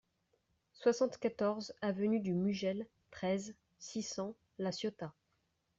soixante-quatorze avenue du Mugel, treize, six cents, La Ciotat